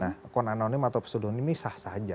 nah account anonim atau pseudonym ini sah sah aja